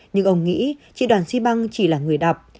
nhưng ông nghĩ chị đoàn zibang chỉ là người đọc